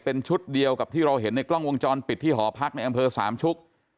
เป็นชุดเดียวกับที่เราเห็นในกล้องวงจรปิดที่หอพักในอำเภอสามชุก